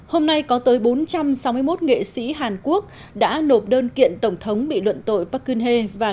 hôm nay có tới bốn trăm sáu mươi một nghệ sĩ hàn quốc đã nộp đơn kiện tổng thống bị luận tội park geun hye và